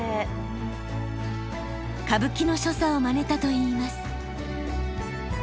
歌舞伎の所作をまねたといいます。